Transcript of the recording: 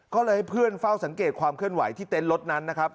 ก็เลยให้เพื่อนเฝ้าสังเกตความเคลื่อนไหวที่เต็นต์รถนั้นนะครับ